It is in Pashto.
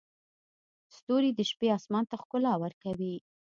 ستوري د شپې اسمان ته ښکلا ورکوي.